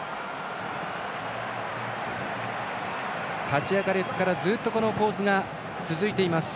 立ち上がりからずっとこの構図が続いています。